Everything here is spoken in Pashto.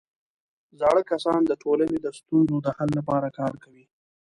زاړه کسان د ټولنې د ستونزو د حل لپاره کار کوي